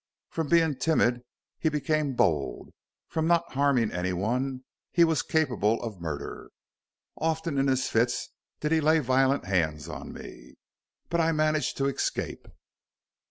From being timid he became bold; from not harming anyone he was capable of murder. Often in his fits did he lay violent hands on me. But I managed to escape.